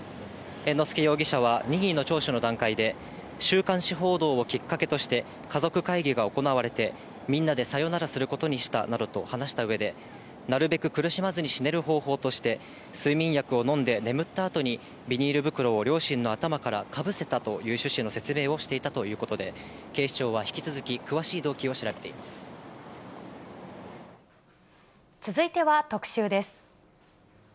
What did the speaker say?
猿之助容疑者は任意の聴取の段階で、週刊誌報道をきっかけとして、家族会議が行われて、みんなでさよならすることにしたなどと話したうえで、なるべく苦しまずに死ねる方法として、睡眠薬を飲んで眠ったあとにビニール袋を両親の頭からかぶせたという趣旨の説明をしていたということで、警視庁は引き続き詳しい続いては特集です。